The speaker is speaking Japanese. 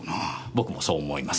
僕もそう思います。